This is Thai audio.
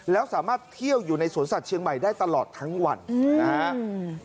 แล้วสามารถเที่ยวอยู่ในสวนสัตว์เชียงใหม่ได้ตลอดทั้งวันนะฮะ